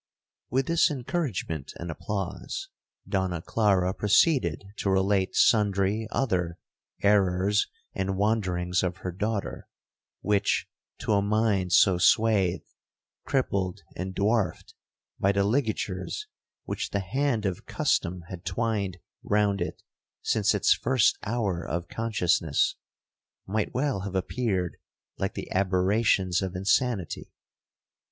'With this encouragement and applause, Donna Clara proceeded to relate sundry other errors and wanderings of her daughter, which, to a mind so swathed, crippled, and dwarfed, by the ligatures which the hand of custom had twined round it since its first hour of consciousness, might well have appeared like the aberrations of insanity.